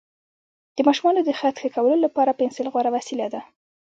د ماشومانو د خط ښه کولو لپاره پنسل غوره وسیله ده.